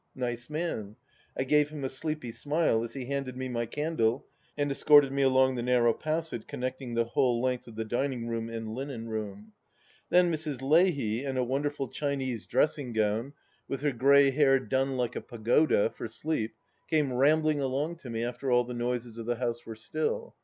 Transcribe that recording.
Nice man 1 I gave him a sleepy smile as he handed me my candle and escorted me along the narrow passage con necting the whole length of the dining room and linen room. ... Then Mrs. Leahy, in a wonderful Chinese dressing gown, THE LAST DITCH 209 with her grey hair done like a pagoda, for sleep, came ramb ling along to me, after all the noises of the house were still.